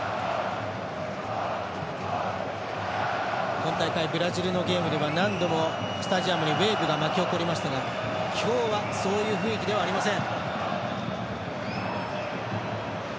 今大会、ブラジルのゲームでは何度もスタジアムにウエーブが巻き起こりましたが今日はそういう雰囲気ではありません。